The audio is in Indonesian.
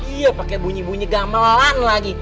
iya pakai bunyi bunyi gamelan lagi